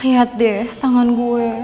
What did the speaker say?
lihat deh tangan gue